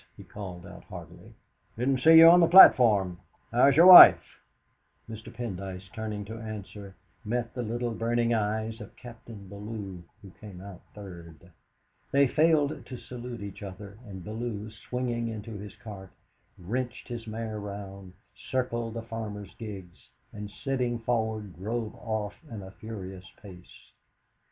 he called out heartily; "didn't see you on the platform. How's your wife?" Mr. Pendyce, turning to answer, met the little burning eyes of Captain Bellew, who came out third. They failed to salute each other, and Bellow, springing into his cart, wrenched his mare round, circled the farmers' gigs, and, sitting forward, drove off at a furious pace.